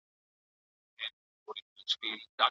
ولي زیارکښ کس د هوښیار انسان په پرتله ژر بریالی کېږي؟